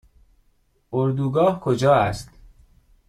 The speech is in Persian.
اردوگاه کجا است؟